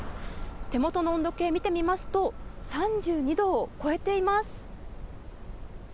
手元の温度計、見てみますと、３２度を超えています。